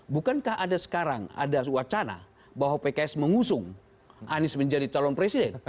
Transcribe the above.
bukankah ada sekarang ada wacana bahwa pks mengusung anies menjadi calon presiden